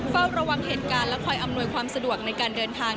เฝ้าระวังเหตุการณ์และคอยอำนวยความสะดวกในการเดินทาง